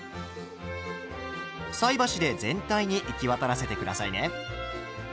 菜箸で全体に行き渡らせて下さいね。